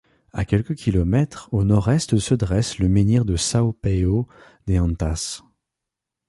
À quelques kilomètres au nord-est se dresse le menhir de São Paio de Antas.